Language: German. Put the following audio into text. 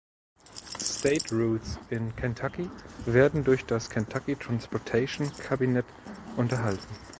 State Routes in Kentucky werden durch das Kentucky Transportation Cabinet unterhalten.